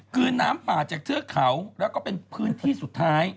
คือน้ำป่าจากเทือกเขาแล้วก็เป็นพื้นที่สุดท้าย